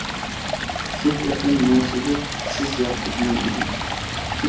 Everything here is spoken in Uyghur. سىز ئېقىن مەن سۈزۈك، سىز ياقۇت مەن ئۈزۈك.